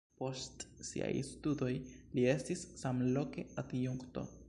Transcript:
Post siaj studoj li estis samloke adjunkto.